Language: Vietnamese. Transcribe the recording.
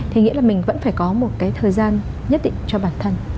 thì nghĩa là mình vẫn phải có một cái thời gian nhất định cho bản thân